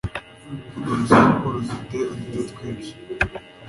Urwo rusaku rufite uduce twinshi